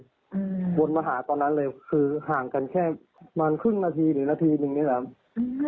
วนมาหาตอนนั้นเลยคือห่างกันแค่ประมาณครึ่งนาทีหรือนาทีหนึ่งนี่แหละครับอืม